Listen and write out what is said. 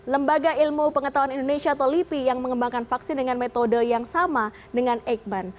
lembaga ilmu pengetahuan indonesia atau lipi yang mengembangkan vaksin dengan metode yang sama dengan eikman